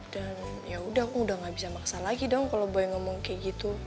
dan yaudah aku udah gak bisa maksa lagi dong kalau boy ngomong kayak gitu